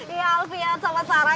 iya alvia sama sarah